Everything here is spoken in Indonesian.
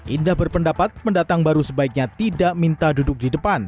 indah berpendapat pendatang baru sebaiknya tidak minta duduk di depan